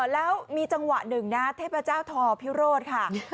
แล้วมีจังหวะหนึ่งนะเทพเจ้าทอพิโรธค่ะ